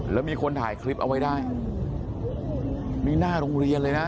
แล้วมีคนถ่ายคลิปเอาไว้ได้นี่หน้าโรงเรียนเลยนะ